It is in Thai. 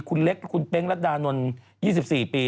คุณเล็กคุณเป๊งรัฐดานนท์๒๔ปี